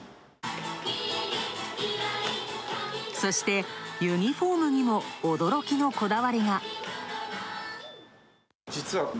そして、ユニフォームにも驚きのこだわりが。